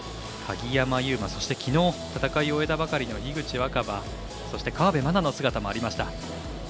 鍵山優真そしてきのう戦いを終えたばかりの樋口新葉、そして河辺愛菜の姿もありました。